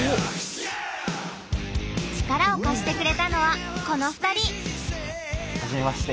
力を貸してくれたのはこの２人！